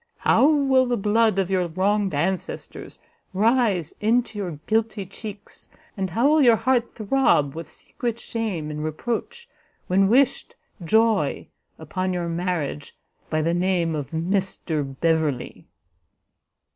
How will the blood of your wronged ancestors rise into your guilty cheeks, and how will your heart throb with secret shame and reproach, when wished joy upon your marriage by the name of Mr Beverley!"